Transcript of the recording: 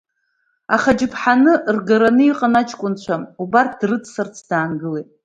Аха аџьаԥҳаны ргараны иҟан аҷкәынцәа, убарҭ дрыццарц даангылеит.